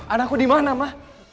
anakku dimana mah